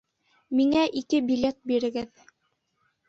Миңә ике билет бирегеҙ